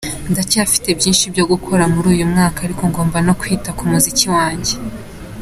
Ndacyafite byinshi byo gukora muri uyu mwaka ariko ngomba no kwita ku muziki wanjye.